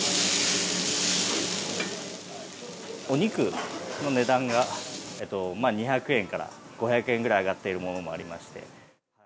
お肉の値段が２００円から５００円ぐらい上がっているものもありまして。